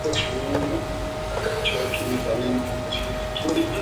Su propósito cayó pronto en el olvido.